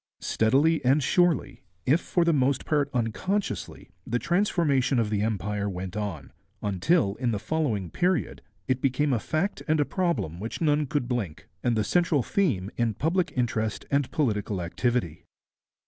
Steadily and surely, if for the most part unconsciously, the transformation of the Empire went on, until in the following period it became a fact and a problem which none could blink, and the central theme in public interest and political activity.